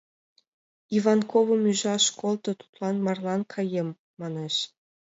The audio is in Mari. — Иванковым ӱжаш колто, тудлан марлан каем, — манеш.